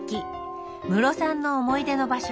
ムロさんの思い出の場所